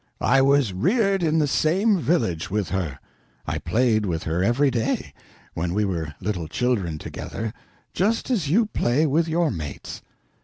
I was reared in the same village with her. I played with her every day, when we were little children together, just as you play with your mates.